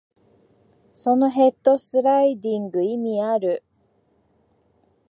そのヘッドスライディング、意味ある？